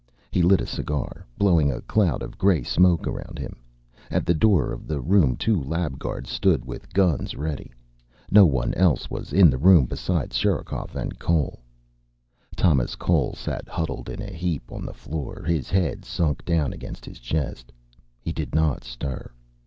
He lit a cigar, blowing a cloud of gray smoke around him. At the door of the room two lab guards stood with guns ready. No one else was in the room beside Sherikov and Cole. Thomas Cole sat huddled in a heap on the floor, his head sunk down against his chest. He did not stir.